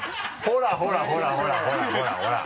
ほらほらほら！